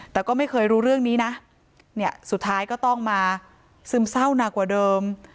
แต่ก็ไม่เคยรู้เรื่องนี้นะเนี่ยสุดท้ายก็ต้องมาซึมเศร้าหนักกว่าเดิม